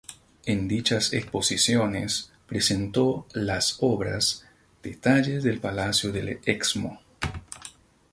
En dichas exposiciones presentó las obras: "Detalles del palacio del Excmo.